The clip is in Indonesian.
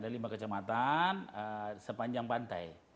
lima kecamatan ya ada lima kecamatan